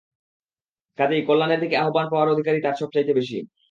কাজেই কল্যাণের দিকে আহ্বান পাওয়ার অধিকার তারই সবচাইতে বেশি।